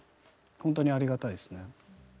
ほんとにありがたいですね。